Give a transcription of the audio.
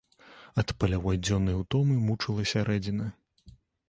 Ад палявой дзённай утомы мучыла сярэдзіна.